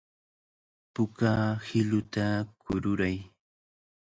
Puka hiluta kururay.